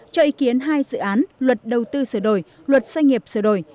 cho ý kiến hai dự án luật đầu tư sửa đổi luật doanh nghiệp sửa đổi